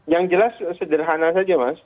yang jelas sederhana saja mas